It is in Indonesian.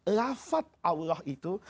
bahwa lafad allah itu